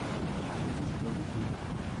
Mi devus provi ilin.